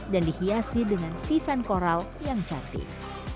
dan dihiasi dengan sifen koral yang cantik